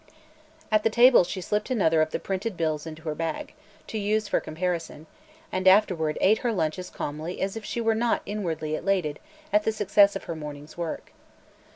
At the table she slipped another of the printed bills into her bag, to use for comparison, and afterward ate her lunch as calmly as if she were not inwardly elated at the success of her morning's work.